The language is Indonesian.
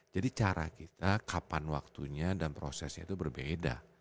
jadi cara kita kapan waktunya dan prosesnya itu berbeda